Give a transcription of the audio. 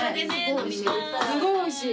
すごいおいしい？